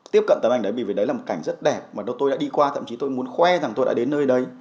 tiếp cận tấm ảnh đấy vì đấy là một cảnh rất đẹp mà tôi đã đi qua thậm chí tôi muốn khoe rằng tôi đã đến nơi đấy